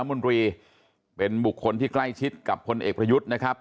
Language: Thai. มนตรีเป็นบุคคลที่ใกล้ชิดกับพลเอกประยุทธ์นะครับ